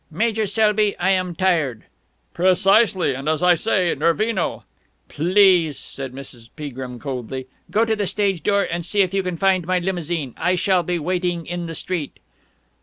"Major Selby, I am tired...." "Precisely. And, as I say, Nervino...." "Please," said Mrs. Peagrim coldly, "go to the stage door and see if you can find my limousine. It should be waiting in the street."